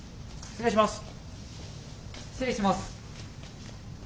失礼します。